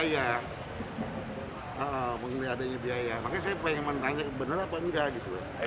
makanya saya pengen menanyakan bener apa enggak gitu